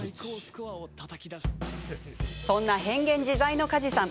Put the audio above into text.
そんな変幻自在の梶さん。